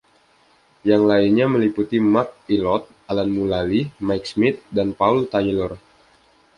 Yang lainnya meliputi Mark Ilott, Alan Mullally, Mike Smith, dan Paul Taylor.